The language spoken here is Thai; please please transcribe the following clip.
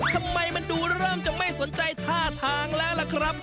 ทำไมมันดูเริ่มจะไม่สนใจท่าทางแล้วล่ะครับ